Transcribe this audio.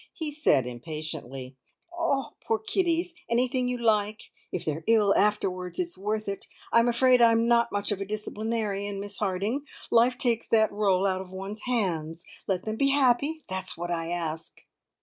He said impatiently: "Oh, poor kiddies! Anything you like. If they're ill afterwards, it's worth it. I'm afraid I am not much of a disciplinarian, Miss Harding. Life takes that role out of one's hands. Let them be happy that's what I ask."